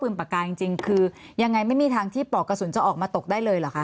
ปากกาจริงคือยังไงไม่มีทางที่ปอกกระสุนจะออกมาตกได้เลยเหรอคะ